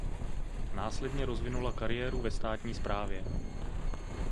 Následně rozvinula kariéru ve státní správě.